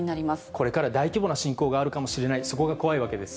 これから大規模な侵攻があるかもしれない、そこが怖いわけです。